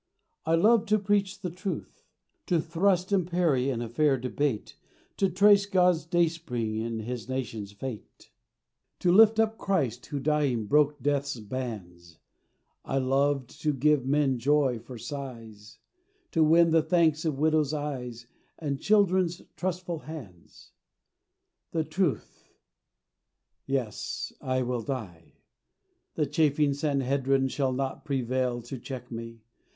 I loved to preach the truth, To thrust and parry in a fair debate, To trace God's dayspring in His nation's fate, To lift up Christ, who dying broke death's bands; I loved to give men joy for sighs, To win the thanks of widows' eyes, And children's trustful hands. "The truth." Yes, I will die. This chafing Sanhedrin shall not prevail To check me.